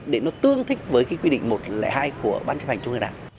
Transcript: để nó tương thích với cái quy định một trăm linh hai của ban chấp hành trung ương đảng